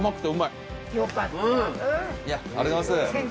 ありがとうございます。